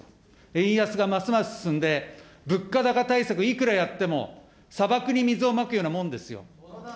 円安がますます進んで、物価高対策、いくらやっても砂漠に水をまくようなもんですよ。